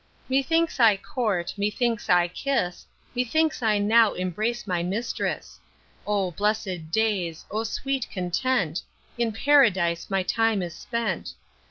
Methinks I court, methinks I kiss, Methinks I now embrace my mistress. O blessed days, O sweet content, In Paradise my time is spent.